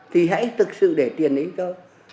thì hãy thực sự để tiền ấy cho